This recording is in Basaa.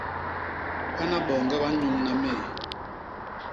Bana boñge ba nnyuñna mé.